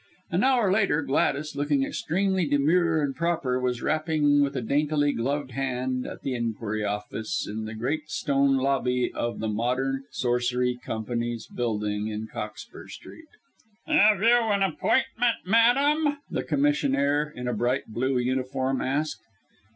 An hour later Gladys, looking extremely demure and proper, was rapping with a daintily gloved hand at the inquiry office in the great stone lobby of the Modern Sorcery Company's building in Cockspur Street. "Have you an appointment, madam?" the commissionaire, in a bright blue uniform, asked.